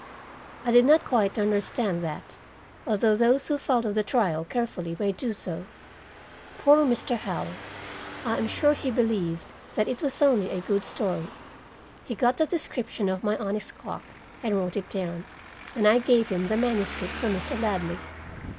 I did not quite understand that, although those who followed the trial carefully may do so. Poor Mr. Howell! I am sure he believed that it was only a good story. He got the description of my onyx clock and wrote it down, and I gave him the manuscript for Mr. Ladley.